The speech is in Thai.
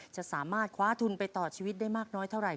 จะสามารถคว้าทุนไปต่อชีวิตได้มากน้อยเท่าไห